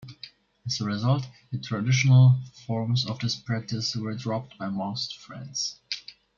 As a result, the traditional forms of this practice were dropped by most Friends.